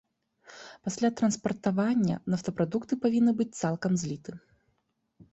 Пасля транспартавання нафтапрадукты павінны быць цалкам зліты.